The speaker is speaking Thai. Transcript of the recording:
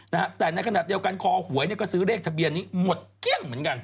ในขณะเดียวกันคอหวยก็ซื้อเลขทะเบียนนี้หมดเกี้ยงเหมือนกัน